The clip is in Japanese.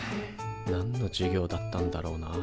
なんの授業だったんだろうな。